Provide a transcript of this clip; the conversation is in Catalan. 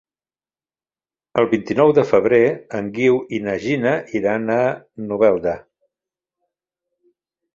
El vint-i-nou de febrer en Guiu i na Gina iran a Novelda.